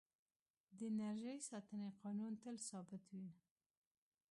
د انرژۍ ساتنې قانون تل ثابت وي.